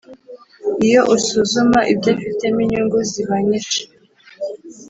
Iyo usuzuma ibyo afitemo inyungu zibanyinshi